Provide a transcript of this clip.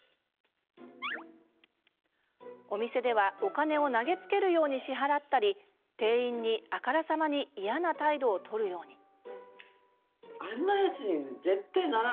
お店ではお金を投げつけるように支払ったり店員に、あからさまに嫌な態度を取るように。